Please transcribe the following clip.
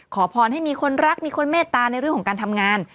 ขอพรให้มีคนรักมีคนเมตตาในเรื่องของการทำงาน